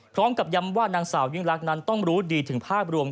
พร้อมกับย้ำว่านางสาวยิ่งลักษณ์นั้นต้องรู้ดีถึงภาพรวม